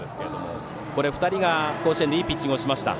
これ、２人が甲子園でいいピッチングをしました。